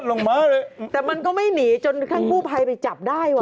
ทำไมก็ไม่หนีจนข้างคู่ภัยไปจับได้วะ